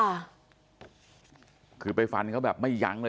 ที่ฉันไปฟันแบบไม่ยั้งเลย